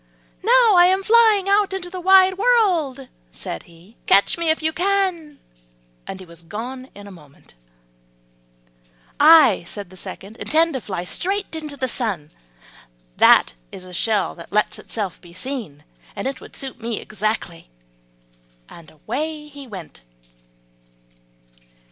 "Now I am flying out into the wide world," said he; "catch me if you can;" and he was gone in a moment. "I," said the second, "intend to fly straight to the sun, that is a shell that lets itself be seen, and it will suit me exactly;" and away he went.